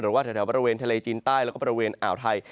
ว่าแถวบริเวณทะเลจีนใต้แล้วก็บริเวณอ่าวไทย